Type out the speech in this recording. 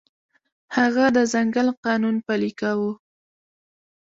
هغه د ځنګل قانون پلی کاوه.